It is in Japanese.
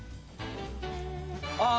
ああ。